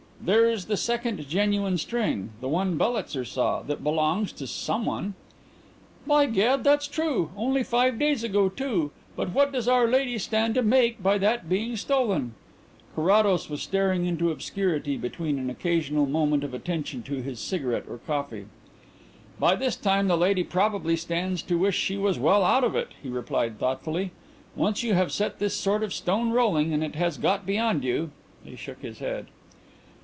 "There is the second genuine string the one Bellitzer saw. That belongs to someone." "By gad, that's true only five days ago, too. But what does our lady stand to make by that being stolen?" Carrados was staring into obscurity between an occasional moment of attention to his cigarette or coffee. "By this time the lady probably stands to wish she was well out of it," he replied thoughtfully. "Once you have set this sort of stone rolling and it has got beyond you " He shook his head.